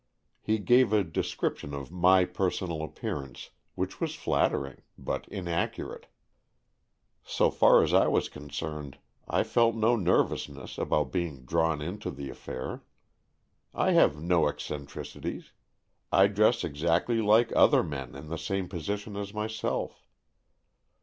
He gave a description of my personal appearance, which was flattering but inaccurate. So far as I was concerned, I felt no nervousness about being drawn into the affair. I have no eccentricities. I dress exactly like other men in the same position as myself.